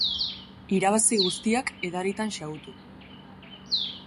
Irabazi guztiak edaritan xahutu.